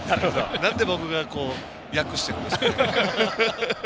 なんで、僕が訳してるんですかね。